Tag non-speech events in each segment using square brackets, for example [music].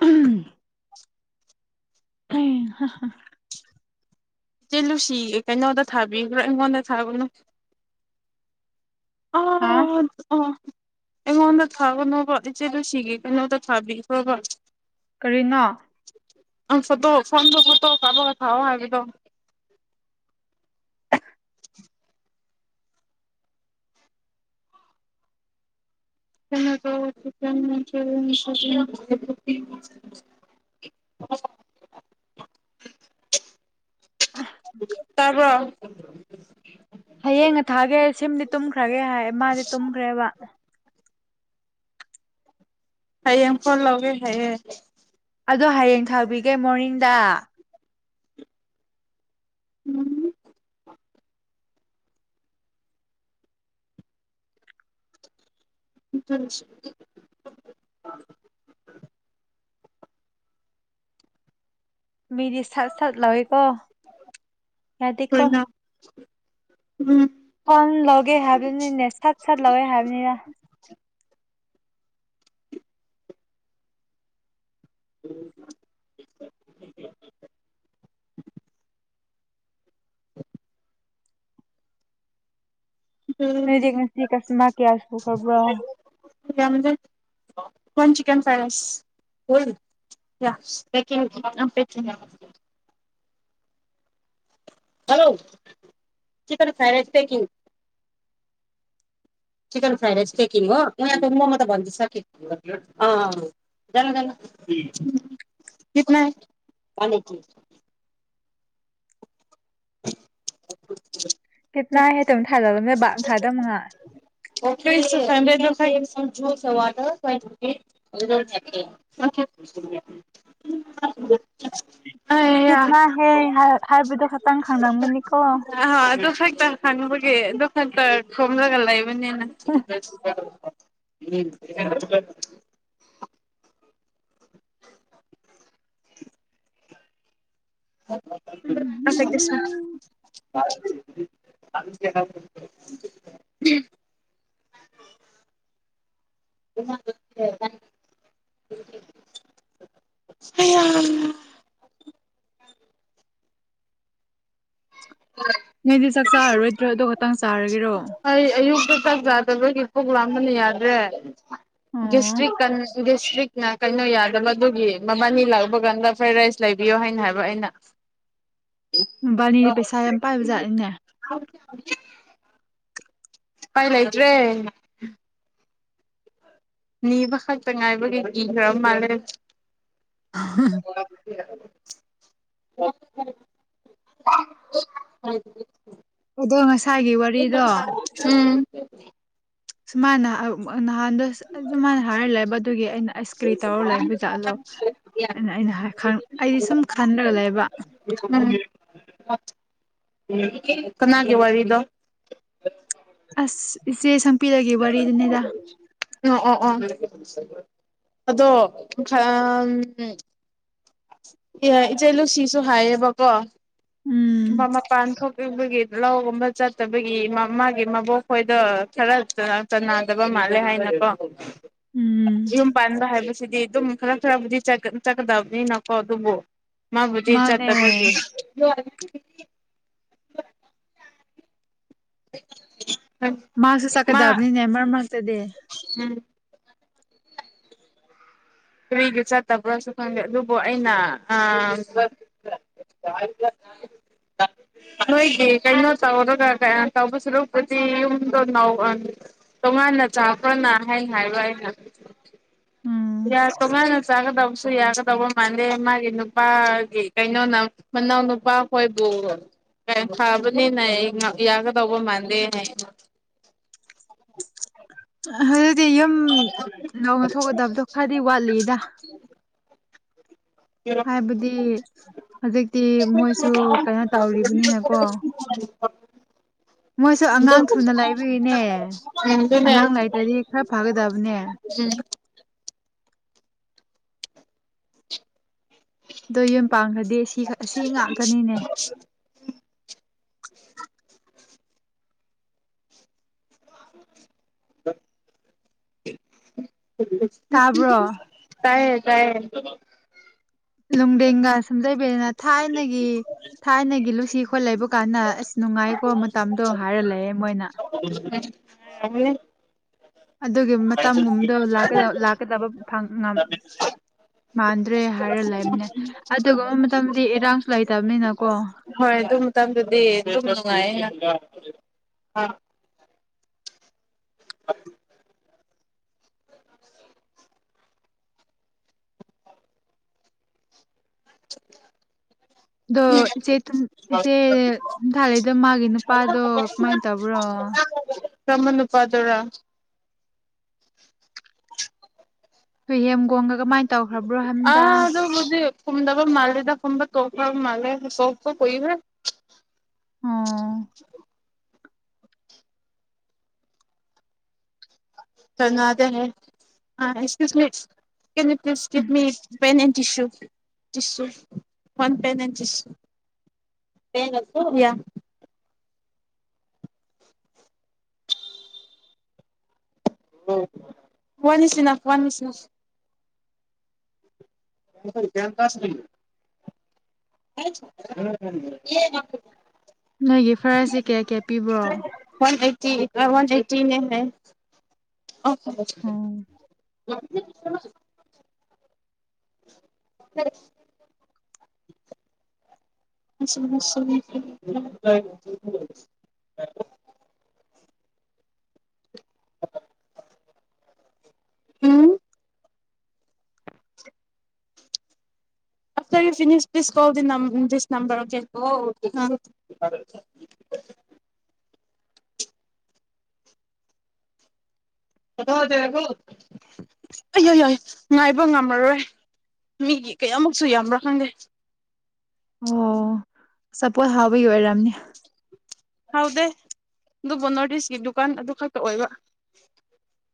ꯎꯝ [unintelligible] ꯑ ꯏꯆꯦ ꯂꯨꯁꯤꯒꯦ ꯀꯩꯅꯣꯗ ꯊꯥꯕꯤꯕ꯭ꯔꯥ ꯑꯩꯉꯣꯟꯗ ꯊꯥꯕꯗꯨ ꯑ ꯑ ꯑꯩꯉꯣꯟꯗ ꯊꯥꯒꯅꯣꯕ ꯏꯆꯦ ꯂꯨꯁꯤꯒꯤ ꯀꯩꯅꯣꯗ ꯊꯥꯕꯤꯈ꯭ꯔꯣꯕ ꯀꯔꯤꯅꯣ ꯑ ꯐꯗꯣ ꯐꯟꯗꯕꯨꯠꯇꯣ ꯀꯥꯕꯒ ꯊꯑꯣ ꯍꯥꯏꯕꯗꯣ ꯎ ꯀ ꯀ ꯀ [inaudible] ꯇꯕ꯭ꯔꯥ ꯎ ꯍꯌꯦꯡꯅ ꯊꯥꯒꯦ ꯁꯤꯝꯗꯤ ꯇꯨꯝꯈ꯭ꯔꯒꯦ ꯍꯥꯏ ꯃꯥꯗꯤ ꯇꯨꯝꯈ꯭ꯔꯦꯕ ꯍꯌꯦꯡ ꯐꯣꯟ ꯂꯧꯒꯦ ꯍꯥꯏꯌꯦ ꯑꯗꯣ ꯍꯌꯦꯡ ꯊꯥꯕꯤꯒꯦ ꯃꯣꯔꯅꯤꯡꯗ ꯎꯨꯝ [inaudible] ꯃꯤꯗꯤ ꯁꯠ ꯁꯠ ꯂꯥꯎꯋꯦꯀꯣ ꯌꯥꯗꯦꯀꯣ ꯐꯣꯟ ꯂꯧꯒꯦ ꯍꯥꯏꯕꯅꯤꯅꯦ ꯁꯠ ꯁꯠ ꯂꯧꯋꯦ ꯍꯥꯏꯕꯅꯤꯗ [unintelligible] ꯅꯣꯏꯗꯤ ꯉꯁꯤ ꯀꯁꯇꯥꯃꯔ ꯀꯌꯥ ꯁꯨꯈꯔꯕ꯭ꯔꯣ ꯌꯥꯝꯗꯦ ꯋꯥꯟ ꯆꯛꯟ ꯐ꯭ꯔꯥꯏ ꯔꯥꯏꯁ ꯍꯣꯏ ꯌꯥ ꯄꯦꯛꯀꯤꯡ [unintelligible] [inaudible] [unintelligible] [unintelligible] ꯀꯤꯗꯅꯥ ꯍꯦ ꯍꯥꯏꯕꯗ ꯈꯇꯪ ꯈꯪꯝꯒꯅꯤꯀꯣ ꯑꯥ ꯑꯗꯨ ꯈꯛꯇ ꯍꯪꯕꯒꯤ ꯑꯗꯨꯗꯨ ꯈꯥꯟꯇ ꯁꯣꯝꯖꯒꯂ ꯂꯩꯕ ꯕꯅꯦ [inaudible] ꯎꯝ [inaudible] [inaudible] ꯑ ꯀꯁ ꯑꯍ ꯑꯌꯥ ꯅꯣꯏꯗꯤ ꯆꯥꯛ ꯆꯥꯔꯔꯣꯏꯗ꯭ꯔꯣ ꯑꯗ ꯈꯛꯇꯪ ꯆꯥꯔꯒꯦꯔꯣ ꯆꯥꯛ ꯆꯥꯗꯕꯒꯤ ꯄꯣꯛ ꯂꯕꯅ ꯌꯥꯗ꯭ꯔꯦ ꯑꯣ ꯗꯤꯁꯇ꯭ꯔꯤꯛ ꯀ ꯗꯤꯁꯇ꯭ꯔꯤꯛꯅ ꯀꯩꯅꯣ ꯌꯥꯗꯕ ꯑꯗꯨꯒꯤ ꯃꯕꯥꯅꯤ ꯂꯥꯛꯕ ꯀꯥꯟꯗ ꯐ꯭ꯔꯥꯏ ꯔꯥꯏꯁ ꯂꯩꯕꯤꯌꯣ ꯍꯥꯏꯅ ꯍꯥꯏꯕ ꯑꯩꯅ ꯎꯨ ꯑꯅꯤꯗꯤ ꯄꯩꯁꯥ ꯌꯥꯝ ꯄꯥꯏꯕ ꯖꯥꯠꯅꯤꯅꯦ ꯌꯥ ꯄꯥꯏ ꯂꯩꯥꯏꯇ꯭ꯔꯦ ꯅꯤꯕ ꯈꯛꯇ ꯉꯥꯏꯕꯒꯤ ꯀꯤꯈ꯭ꯔ ꯃꯥꯂꯦ ꯇꯤꯛ ꯆꯤꯛ ꯀꯥꯏꯗꯒꯤ ꯑꯗꯣ ꯉꯁꯥꯏꯒꯤ ꯋꯥꯔꯤꯗꯣ ꯋꯦꯄꯅꯦ ꯁꯨꯃꯥꯏꯅ ꯑꯥ ꯅꯍꯥꯟꯗꯣ ꯑꯗꯨꯃꯥꯏꯅ ꯍꯥꯏꯔ ꯂꯩꯕ ꯑꯗꯨꯒꯤ ꯑꯩꯅ ꯑꯥꯏꯁ ꯀ꯭ꯔꯤ ꯇꯧꯔ ꯂꯩ ꯖꯥꯠꯂꯣ ꯑ ꯑꯩꯅ ꯑꯩꯗꯤ ꯁꯨꯝ ꯈꯟꯔꯒ ꯂꯩꯕ ꯋꯥꯠ ꯎ ꯀꯅꯥꯒꯤ ꯋꯥꯔꯤꯗꯣ ꯑꯁ ꯏꯆꯦ ꯁꯝ ꯎ ꯑꯣ ꯑꯣ ꯑꯗꯣ ꯑꯦ ꯏꯆꯦ ꯂꯨꯁꯤꯁꯨ ꯍꯥꯏꯌꯦꯕꯀꯣ ꯎꯝ ꯃꯄꯥꯟ ꯊꯣꯛꯂꯤꯕꯒꯤ ꯂꯧꯒꯨꯝꯕ ꯆꯠꯇꯕꯒꯤ ꯃꯥꯒꯤ ꯃꯕꯣꯛ ꯈꯣꯏꯗ ꯈꯔ ꯆꯥꯟꯅꯗꯕ ꯃꯥꯜꯂꯦ ꯍꯥꯏꯅꯀꯣ ꯎꯝ ꯌꯨꯝ ꯄꯥꯟꯕꯥ ꯍꯥꯏꯕ ꯁꯤꯗꯤ ꯑꯗꯨꯝ ꯈꯔ ꯈꯔꯕꯨꯗꯤ ꯆꯠꯀꯗꯕꯅꯤꯅ ꯀ ꯑꯗꯨꯕꯨ ꯃꯥꯕꯨꯗꯤꯔ ꯃꯥꯅꯦ ꯆꯥ꯭ꯔꯥ ꯀꯒꯦ [unintelligible] [unintelligible] ꯃꯍꯥꯛꯁꯨ ꯃꯥ ꯆꯠꯀꯗꯕꯅꯤꯅꯦ ꯃꯔꯛ ꯃꯔꯛꯇꯗꯤ ꯎꯝ ꯀꯔꯤꯒꯤ ꯆꯠꯇꯕ꯭ꯔꯥꯁꯨ ꯈꯪꯗꯦ ꯑꯗꯨꯕꯨ ꯑꯩꯅ ꯅꯣꯏꯒꯤ ꯀꯩꯅꯣ ꯇꯧꯔꯒ ꯇꯧꯕ ꯁꯨꯔꯨꯄꯗꯤ ꯌꯨꯝꯗꯣ ꯇꯣꯉꯥꯟꯅ ꯆꯥꯕ꯭ꯔꯅ ꯍꯥꯏ ꯍꯥꯏꯕ ꯑꯩꯅ ꯎꯝ ꯇꯣꯉꯥꯟꯅ ꯆꯥꯒꯗꯕꯁꯨ ꯌꯥꯒꯗꯧꯕ ꯃꯥꯟꯗꯦ ꯃꯥꯒꯤ ꯅꯨꯄꯥꯒꯤ ꯀꯩꯅꯣꯅ ꯃꯅꯥꯎ ꯅꯨꯄꯥꯈꯣꯏꯕꯨ ꯐꯕꯅꯤꯅ ꯌꯥꯒꯗꯧꯕ ꯃꯥꯟꯗꯦ ꯍꯥꯏ ꯑꯗꯨꯗꯤ ꯌꯨꯝ ꯂꯧꯅ ꯊꯣꯛꯀꯗꯕꯗꯣ ꯈꯔꯗꯤ ꯋꯥꯠꯂꯤꯗ ꯍꯥꯏꯕꯗꯤ ꯍꯧꯖꯤꯛꯇꯤ ꯃꯣꯏꯁꯨ ꯀꯩꯅꯣ ꯇꯧꯔꯤꯕꯅꯤꯅꯀꯣ ꯑꯣ [unintelligible] ꯃꯣꯏꯁꯨ ꯑꯉꯥꯡ ꯊꯨꯅ ꯂꯥꯏꯕꯤꯔꯤꯅꯦ ꯎꯝ ꯑꯗꯨꯅꯦ ꯑꯉꯥꯡ ꯂꯩꯇ꯭ꯔꯗꯤ ꯈꯔ ꯐꯒꯗꯕꯅꯦ ꯎꯝ ꯑꯗꯣ ꯌꯨꯝ ꯄꯥꯈ꯭ꯔꯗꯤ ꯁꯤ ꯁꯤ ꯉꯥꯛꯇꯅꯤꯅꯦ ꯇꯥꯕ꯭ꯔꯣ [unintelligible] ꯇꯥꯏ ꯇꯥꯏ ꯂꯨꯗꯦꯒꯥ ꯁꯨꯝꯖꯩꯕꯤꯔꯅ ꯊꯥꯏꯅꯒꯤ ꯊꯥꯏꯅꯒꯤ ꯂꯨꯁꯤ ꯈꯣꯠ ꯂꯩꯕ ꯀꯥꯟꯗ ꯑꯁ ꯅꯨꯡꯉꯥꯏꯀꯣ ꯃꯇꯝꯗꯣ ꯍꯥꯏꯔ ꯂꯩꯑꯦ ꯃꯣꯏꯅ ꯑꯅꯦ ꯑꯗꯨꯒꯤ ꯃꯇꯝꯒꯨꯝꯕꯗꯣ ꯂꯥꯛꯀꯗꯕ ꯃꯥꯟꯗ꯭ꯔꯦ ꯍꯥꯏꯔ ꯂꯩꯕꯅꯦ ꯑꯗꯨꯒꯨꯝꯕ ꯃꯇꯝꯗꯤ ꯏꯔꯥꯡꯁꯨ ꯂꯩꯇꯕꯅꯤꯅꯀꯣ ꯍꯣꯏ ꯎ ꯍꯥ ꯑ [unintelligible] ꯑꯗꯣ ꯏꯆꯦ ꯏꯆꯦ ꯊꯥꯂꯛꯏꯗ ꯃꯥꯒꯤ ꯅꯨꯄꯥꯗꯣ ꯀꯃꯥꯏꯅ ꯇꯧꯕ꯭ꯔꯣ ꯀꯃꯅꯨꯄꯥꯗꯨꯔ ꯍꯨꯍꯦꯝꯒꯣꯡꯒ ꯀꯃꯥꯏꯅ ꯇꯧꯈ꯭ꯔꯕ꯭ꯔꯣ ꯑ ꯍꯥꯏꯕꯅꯤꯗ ꯑꯗꯨꯗ ꯍꯧꯗꯤ ꯈꯨꯝꯗꯕ ꯃꯥꯂꯦꯗ ꯐꯕ ꯇꯣ ꯃꯥꯂꯦ ꯀꯣ ꯀꯣ ꯀꯣꯏꯔꯦ ꯑꯣ [unintelligible] ꯆꯉꯣꯅꯦ ꯑꯁ ꯀ꯭ꯌꯨꯁꯃꯤ ꯀꯀꯤꯞ ꯄꯅꯦ ꯆꯤꯨ ꯆꯤꯁꯨ ꯐꯟ ꯄꯦꯟ ꯑꯦ ꯆꯤꯁ ꯄꯌꯥ ꯋꯥꯅꯤꯁꯤꯅ ꯋꯥꯁꯤꯅ ꯀꯥꯁ [unintelligible] ꯅꯣꯏꯒꯤ ꯐꯔꯁꯤ ꯀꯌꯥ ꯀꯌꯥ ꯄꯤꯕ꯭ꯔꯣ ꯋꯥꯟ ꯑꯩꯠꯇꯤ ꯋꯥꯟ ꯑꯦꯇꯤꯅꯦ ꯑꯣ [inaudible] ꯎꯝ [unintelligible] [unintelligible] [unintelligible] ꯎꯝ [unintelligible] ꯑꯌꯥ ꯌꯥꯏ ꯉꯥꯏꯕ ꯉꯝꯃꯔꯣꯏ ꯃꯤꯒꯤ ꯀꯌꯥꯃꯨꯛꯁꯨ ꯌꯥꯝꯕ꯭ꯔꯥ ꯈꯪꯗꯦ ꯑꯣ ꯆꯄꯣꯠ ꯍꯥꯎꯕꯒꯤ ꯑꯣꯏꯔꯝꯅꯤ ꯍꯥꯎꯗꯦ ꯑꯗꯨꯕꯨ ꯅꯣꯔꯠ ꯏꯁꯀꯤ ꯗꯨꯀꯥꯟ ꯑꯗꯨ ꯈꯛꯇ ꯑꯣꯏꯕ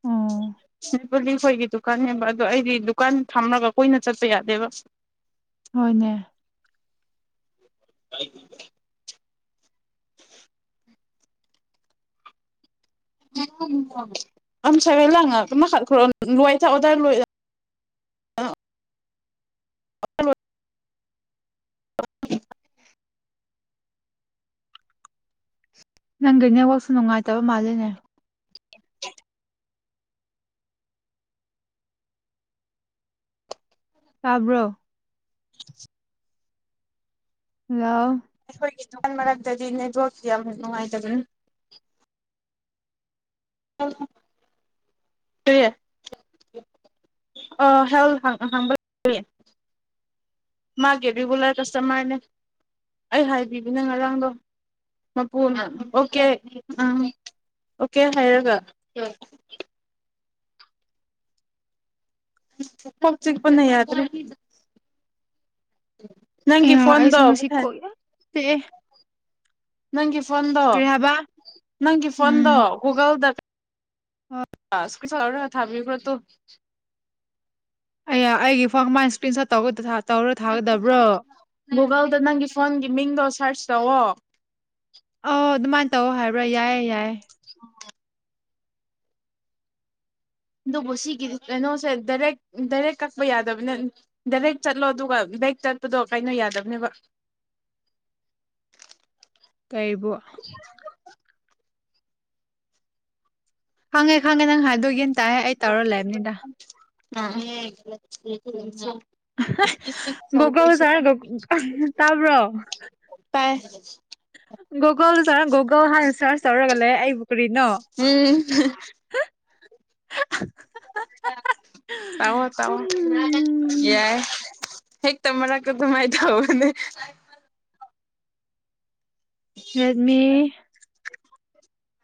ꯑꯣ [unintelligible] ꯄꯂꯤꯈꯣꯏꯒꯤ ꯗꯨꯀꯥꯟꯅꯦꯕ ꯑꯗꯨꯗꯣ ꯑꯩꯗꯤ ꯗꯨꯀꯥꯟ ꯊꯝꯂꯒ ꯀꯨꯏꯅ ꯆꯠꯄ ꯌꯥꯗꯦꯕ ꯍꯣꯏꯅꯦ [unintelligible] ꯑꯝ ꯁꯒꯥꯏ ꯂꯉ ꯃꯈꯥ ꯈꯔꯣ ꯂꯣꯏ ꯊ ꯑꯣꯗꯔ ꯂꯣꯏ ꯅꯪꯒꯤ ꯅꯦꯠꯋꯥꯛꯁꯨ ꯅꯨꯡꯉꯥꯏꯇꯕ ꯃꯥꯜꯂꯤꯅꯦ ꯇꯥꯕ꯭ꯔꯣ [unintelligible] ꯍꯜꯂꫭ ꯑꯩꯈꯣꯏꯒꯤ ꯀꯥꯟ ꯃꯔꯛꯇꯗꯤ [unintelligible] ꯅꯦꯕꯣꯛꯁꯤ ꯌꯥꯝ ꯅꯨꯡꯉꯥꯏꯇꯕꯅꯤ ꯑꯦ ꯍꯦꯜ ꯍꯥꯡꯕ ꯃꯥꯒꯤ ꯔꯤꯒꯨꯂꯔ ꯀꯁꯇꯃꯔꯅꯦ ꯑꯩ ꯍꯥꯏꯕꯤꯕꯅꯦ ꯉꯔꯥꯡꯗꯣ ꯃꯄꯨꯅ ꯑꯣ ꯀꯦ ꯎꯝ ꯑꯣ ꯀꯦ ꯍꯥꯏꯔꯒ ꯀꫭꯛ ꯆꯤꯛ ꯄ ꯅ ꯌꯥꯗꯔ꯭ꯦ ꯑꯌꯥ ꯑꯩꯁꯨ ꯉꯁꯤ ꯀꯣꯛ ꯌꯥꯝ ꯆꯤꯛ ꯑꯦ ꯅꯪꯒꯤ ꯐꯣꯟꯗꯣ ꯅꯪꯒꯤ ꯎꯝ ꯐꯣꯟꯗꯣ ꯒꯨꯒꯜꯗ ꯑꯁ [inaudible] ꯊꯥꯕꯤꯈ꯭ꯔꯣ ꯇꯨ ꯑꯌꯥ ꯑꯩꯒꯤ ꯐꯪ ꯃꯥꯥꯏ ꯏꯁꯀ꯭ꯔꯤꯟ ꯁ ꯇꯧꯒꯗ ꯊꯥ [unintelligible] ꯃꯣꯒꯜꯗ ꯅꯪꯒꯤ ꯐꯣꯟꯒ ꯃꯤꯡꯗꯣ ꯁꯔꯆ ꯇꯧꯋꯣ ꯑꯧ ꯑꯗꯨꯃꯥꯏꯅ ꯇꯧ ꯍꯥꯏꯕ꯭ꯔꯣ ꯌꯥꯏꯌꯦ ꯌꯥꯏ ꯑꯗꯨꯕꯨ ꯁꯤꯒꯤ ꯀꯩꯅꯣꯁꯦ ꯗꯥꯏꯔꯦꯛ ꯗꯥꯏꯔꯦꯛ ꯀꯛꯄ ꯌꯥꯗꯕꯅꯦ ꯗꯥꯏꯔꯦꯛ ꯆꯠꯂꯣ ꯑꯗꯨꯒ ꯕꯦꯛ ꯆꯠꯄꯗꯣ ꯀꯩꯅꯣ ꯌꯥꯗꯕꯅꯦꯕ ꯀꯩꯕꯨ ꯈꯪꯉꯦ ꯈꯪꯉꯦ ꯅꯪ ꯍꯥꯏꯗꯣ ꯌꯦꯟ [inaudible] ꯑ [unintelligible] ꯒꯣꯒꯜ ꯆꯔꯒ ꯇꯥꯕ꯭ꯔꯣ [unintelligible] ꯒꯣꯜ ꯁꯥꯔꯣꯒ ꯑꯣꯣ ꯍꯥꯟꯅ ꯁꯔꯁ ꯇꯧꯔꯒ ꯂꯩ ꯑꯩꯕꯨ ꯀꯔꯤꯅꯣ ꯎꯝ [unintelligible] ꯇꯋꯥꯣ ꯇꯋꯥꯣ ꯌꯥꯏ ꯍꯦꯒ ꯇꯔ ꯀ ꯑꯗꯨꯥꯏ ꯇ ꯍꯕꯅꯤ ꯔꯦꯗꯃꯤ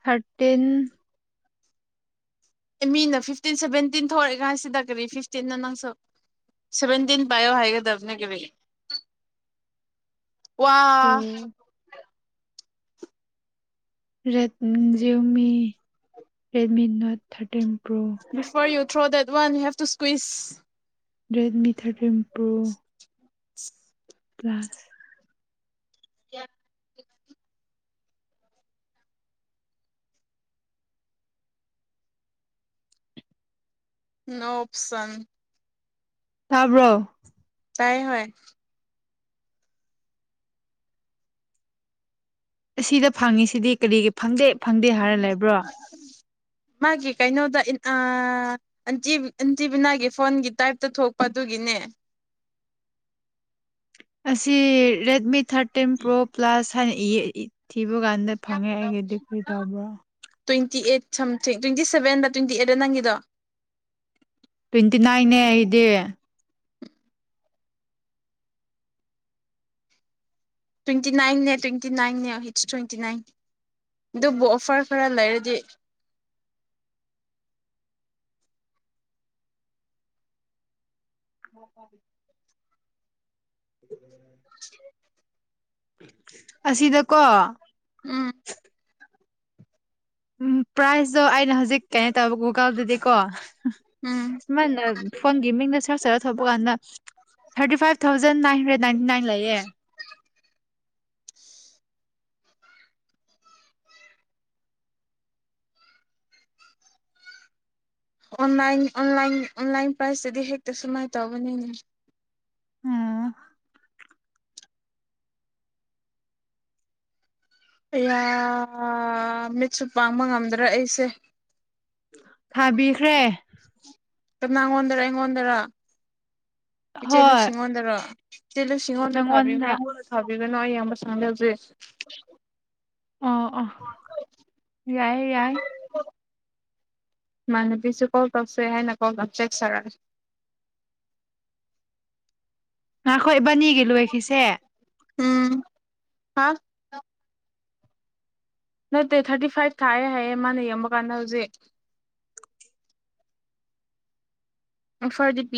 ꯊꯥꯔꯇꯤꯟ ꯑꯦ ꯃꯤꯅ ꯐꯤꯐꯇꯤꯟ ꯁꯚꯦꯟꯇꯤꯟ ꯊꯣꯛꯂꯛꯑꯏ ꯀꯥꯟꯁꯤꯗ ꯀꯔꯤ ꯐꯤꯐꯇꯤꯟꯅ ꯅꯪꯁꯨ ꯁꯦꯚꯦꯟꯇꯤꯟ ꯄꯥꯏꯌꯣ ꯍꯥꯏꯒꯗꯕꯅꯦ ꯀꯔꯤ ꯋꯥ ꯄ꯭ꯔꯣ rate Xiaomi Redmi note thirteen pro ꯁꯐ ꯌ ꯊ꯭ꯔꯣ ꯗꯦꯠ ꯋꯥꯟ ꯍꯦ ꯇꯨ ꯁ꯭ꯋꯁ ꯔꯦꯗꯃꯤ ꯊꯥꯔꯇꯤꯟ ꯄ꯭ꯔꯣ ꯀ꯭ꯂ꯭ꯂꯥꯁ ꯀꯌꯥ ꯅ ꯑꯣꯞꯁꯟ ꯊꯥꯕ꯭ꯔꯣ ꯇꯥꯏ ꯍ ꯑꯁꯤꯗ ꯐꯪꯉꯤꯁꯤꯗꯤ ꯀꯔꯤꯒꯤ ꯐꯪꯗꯦ ꯐꯪꯗꯦ ꯍꯥꯏꯔ ꯂꯩꯕ꯭ꯔꯣ ꯃꯥꯒꯤ ꯀꯩꯅꯣꯗꯟꯇ ꯑꯟꯇꯤꯕꯤꯅꯥꯒꯤ ꯐꯣꯟꯒꯤ ꯇꯥꯏꯞꯇ ꯊꯣꯛꯄ ꯑꯗꯨꯒꯤꯅꯦ ꯑꯁꯤ ꯔꯦꯃꯤ ꯊꯔꯇꯤꯟ ꯄ꯭ꯔꯣ ꯄ꯭ꯂꯁ ꯏ ꯊ ꯀꯕꯨ ꯀꯥꯟꯗꯩ ꯐꯪꯉꯦ ꯑꯩꯒꯤꯗꯤ ꯀ꯭ꯔꯤ ꯇꯧꯕ꯭ꯔꯣ ꯇ꯭ꯋꯦꯟꯇꯤ ꯑꯩꯠ ꯁꯝ ꯇ꯭ꯋꯦꯟꯇꯤ ꯁꯚꯦꯟꯗ ꯇ꯭ꯋꯦꯟꯇꯤ ꯑꯩꯠꯇ ꯅꯪꯒꯤꯗꯣ ꯇ꯭ꯋꯦꯟꯇꯤ ꯅꯥꯏꯟꯅꯦ ꯑꯩꯗꯤ ꯇ꯭ꯋꯦꯟꯇꯤ ꯅꯥꯏꯟꯅꯦ ꯇ꯭ꯋꯦꯟꯇꯤ ꯅꯥꯏꯟꯅ ꯍꯤꯠꯁ ꯇ꯭ꯋꯦꯟꯇꯤ ꯅꯥꯏꯟ ꯑꯗꯨꯕꯨ ꯑꯣꯐꯔ ꯈꯔ ꯂꯩꯔꯗꯤ ꯑꯣ ꯑꯁꯤꯗꯀꯣ ꯎꯝ ꯎꯝ ꯄ꯭ꯔꯥꯏꯖꯇꯣ ꯑꯩꯅ ꯍꯧꯖꯤꯛ ꯀꯩꯅꯣ ꯇꯧꯋꯦ ꯒꯨꯒꯜꯗꯗꯤꯀꯣ ꯎꯝ ꯁꯨꯃꯥꯏꯅ ꯐꯣꯟꯒꯤ ꯃꯤꯡꯗ ꯁꯔꯁ ꯇꯧꯔ ꯊꯄ ꯀꯥꯟꯗ thirty five thousand nine hundred ninety nine ꯂꯩꯌꯦꯦ [unintelligible] ꯟꯂꯥꯏꯟꯂꯥꯏ ꯑꯣꯟꯂꯥꯏꯟ ꯄ꯭ꯔꯥꯏꯖꯇꯗꯤ ꯍꯦꯛꯇ ꯁꯨꯃꯥꯏꯅ ꯇꯕꯅꯤꯅꯦ ꯎꯝ ꯃꯤꯠꯁꯨ ꯄꯥꯡꯕ ꯉꯝꯗ꯭ꯔꯥ ꯑꯩꯁꯦ ꯊꯥꯕꯤꯈ꯭ꯔꯦ ꯀꯞꯅꯪꯉꯣꯟꯗꯔ ꯏꯪꯉꯣꯟꯟꯗꯔ ꯏꯆꯦ ꯂꯧꯨꯞ ꯍꯣꯏ ꯁꯤꯡꯉꯣꯟꯗꯔꯣ ꯆꯩꯅ ꯁꯤꯁꯤꯡꯉꯣꯟꯅ ꯊꯕꯤ ꯃ ꯅꯪꯉꯣꯟꯗ ꯊ ꯏꯒꯅꯣ ꯑꯩꯌꯥꯝꯕ ꯁꯪꯗ ꯍꯧꯁꯦ ꯑꯣ ꯑ ꯌꯥꯏꯌꯦ ꯌꯥꯏ ꯏꯃꯥꯟꯅꯕꯤꯁꯨ ꯀꯣꯜ ꯇꯧꯁꯦ ꯍꯥꯏꯅ ꯀꯣꯜ ꯂꯧꯞ ꯆꯦꯛꯆꯔꯑꯦ ꯑ ꯑꯩꯈꯣꯏ ꯏꯕꯥꯅꯤꯒꯤ ꯂꯣꯏꯈꯤꯁꯦ ꯎꯝ ꯍꯥ ꯅꯠꯇꯦ ꯊꯥꯔꯇꯤ ꯐꯥꯏꯚ ꯊꯥꯏꯑꯦ ꯍꯥꯏꯌꯦ ꯃꯥꯅ ꯌꯦꯡꯕ ꯀꯥꯟꯗ ꯍꯧꯖꯤꯛ ꯑꯣꯐꯔ ꯗꯤ ꯄꯤ